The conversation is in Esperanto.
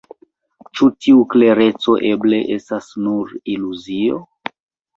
Ĉu tiu klereco eble estas nur iluzio?